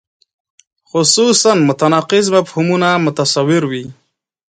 خصوصاً متناقض مفهومونه متصور وي.